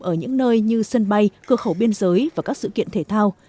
ở những nơi như sân bay cơ khẩu biên giới và các sự kiện thể thao